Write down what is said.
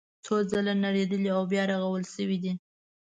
څو ځله نړېدلي او بیا رغول شوي دي.